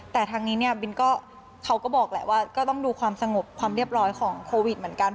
แต่ทางนี้เนี่ยบินก็เขาก็บอกแหละว่าก็ต้องดูความสงบความเรียบร้อยของโควิดเหมือนกัน